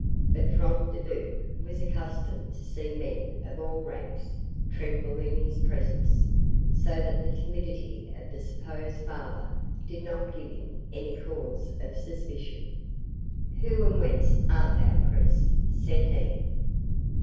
But Front de Bœuf was accustomed to see men of all ranks tremble in his presence, so that the timidity of the supposed father did not give him any cause of suspicion. "Who and whence art thou, priest?" said he.